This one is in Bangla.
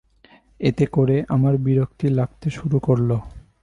এতে করে আমার বিরক্তি লাগতে শুরু করল।